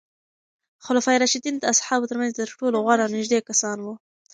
خلفای راشدین د اصحابو ترمنځ تر ټولو غوره او نږدې کسان وو.